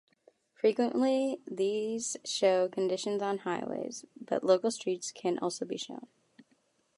Frequently these show conditions on highways, but local streets can also be shown.